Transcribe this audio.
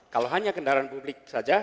kalau hanya kendaraan publik saja